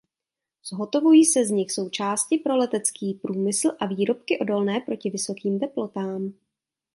Zhotovují se z nich součásti pro letecký průmysl a výrobky odolné proti vysokým teplotám.